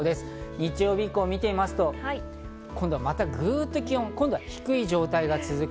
日曜日以降を見てみますと、今度はまた、ぐっと気温が低い状態が続く。